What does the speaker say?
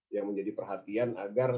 yang menjadi perhatian agar